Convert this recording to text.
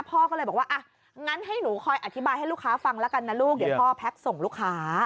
พ่อก็เลยบอกว่าอ่ะงั้นให้หนูคอยอธิบายให้ลูกค้าฟังแล้วกันนะลูกเดี๋ยวพ่อแพ็คส่งลูกค้า